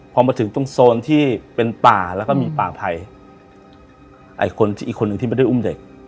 พอมาถึงตรงโซนที่เป็นป่าแล้วก็มีป่าไผ่ไอ้คนที่อีกคนหนึ่งที่ไม่ได้อุ้มเด็ก